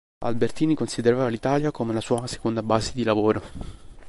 Albertini considerava l'Italia come la sua seconda base di lavoro.